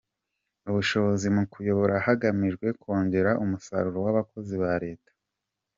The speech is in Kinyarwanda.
ubushobozi mu kuyobora hagamijwe kongera umusaruro w‟abakozi ba Leta.